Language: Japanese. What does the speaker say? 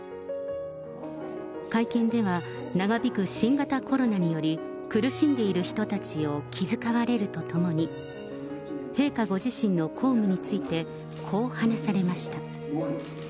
会見では長引く新型コロナにより、苦しんでいる人たちを気遣われるとともに、陛下ご自身の公務について、こう話されました。